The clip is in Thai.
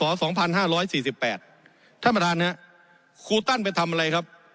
ท่านประธานครับครูตั้นไปทำอะไรครับ